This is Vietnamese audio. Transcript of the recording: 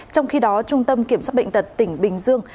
trong khi đó trung tâm kiểm soát bệnh tật tỉnh bình dương